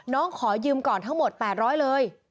น้องขอยืมก่อนทั้งหมด๘๐๐บาทเลย